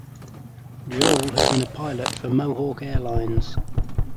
Joel had been a pilot for Mohawk Airlines.